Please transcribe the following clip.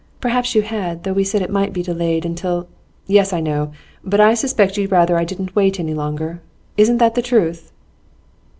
'Perhaps you had. Though we said it might be delayed until ' 'Yes, I know. But I suspect you had rather I didn't wait any longer. Isn't that the truth?